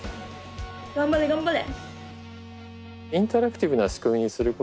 頑張れ頑張れ。